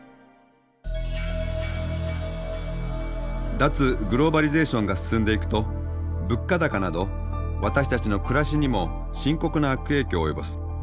脱グローバリゼーションが進んでいくと物価高など私たちの暮らしにも深刻な悪影響を及ぼす。